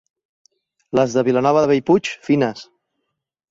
Les de Vilanova de Bellpuig, fines.